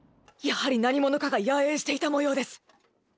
やはり何者かが野営していたもようです。